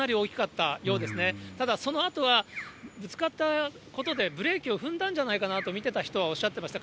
ただそのあとは、ぶつかったことで、ブレーキを踏んだんじゃないかなと見てた人はおっしゃってました。